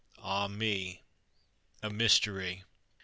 Ah me, A mystery!